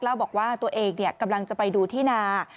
เล่าบอกว่าตัวเองกำลังจะไปดูที่นา